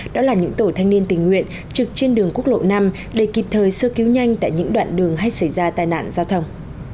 đó là những tổ thanh niên tình nguyện trực trên đường quốc lộ năm để kịp thời sơ cứu nhanh tại những đoạn đường hay xảy ra tai nạn giao thông